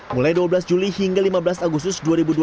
mulai dua belas juli hingga lima belas agustus dua ribu dua puluh